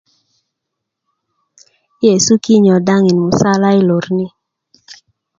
yi' yesu kinyo daŋin musala yi lor ni